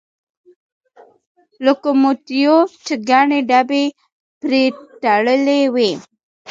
لوکوموتیو چې ګڼې ډبې پرې تړلې وې.